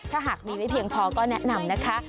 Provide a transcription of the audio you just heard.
ถ้าหากมีไม่เพียงพอก็แนะนำนะคะ